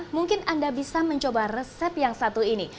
mungkin anda bisa mencoba resep yang satu ini